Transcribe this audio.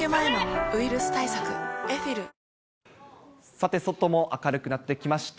さて、外も明るくなってきました。